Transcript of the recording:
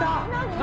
何？